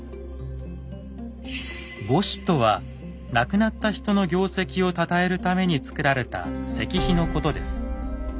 「墓誌」とは亡くなった人の業績をたたえるためにつくられた石碑のことです。